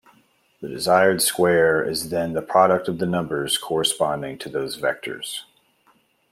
The desired square is then the product of the numbers corresponding to those vectors.